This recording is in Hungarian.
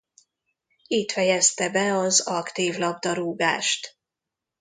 Itt fejezte be az aktív labdarúgást.